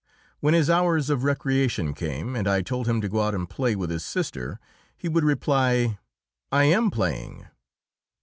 When his hours of recreation came, and I told him to go out and play with his sister, he would reply, "I am playing."